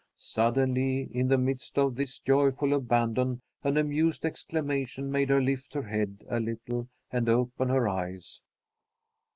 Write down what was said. Suddenly, in the midst of this joyful abandon, an amused exclamation made her lift her head a little and open her eyes.